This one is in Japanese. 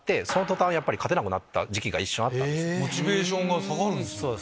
モチベーションが下がるんすね。